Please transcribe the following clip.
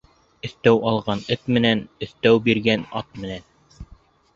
Өҫтәү алған эт менән өҫтәү биргән ат менән.